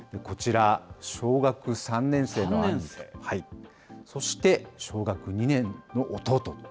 こちら、小学３年生の兄、そして小学２年の弟。